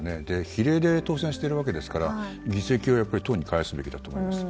比例で当選してるわけですから議席を党に返すべきだと思います。